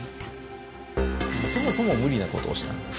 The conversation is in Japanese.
そもそも無理なことをしたんです。